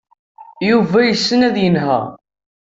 Yuba yessen ad yenheṛ.